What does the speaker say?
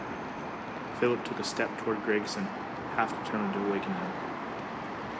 Philip took a step toward Gregson, half determined to awaken him.